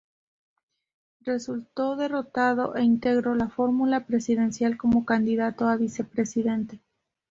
Resultó derrotado e integró la fórmula presidencial como candidato a vicepresidente.